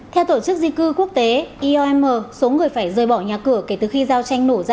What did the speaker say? theo tổ chức di cư quốc tế iom số người phải rời bỏ nhà cửa kể từ khi giao tranh nổ ra